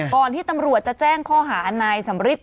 ก่อนที่ตำรวจจะแจ้งข้อหาอันนายสมฤทธิ์